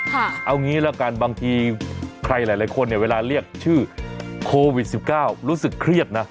เอางี้ละกันบางทีใครหลายคนเนี่ยเวลาเรียกชื่อโควิด๑๙รู้สึกเครียดนะ